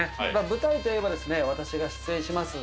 舞台っていえばね、私が出演します